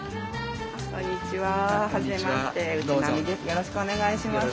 よろしくお願いします。